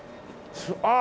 あっ！